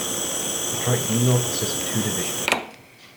Detroit Diesel consists of two divisions.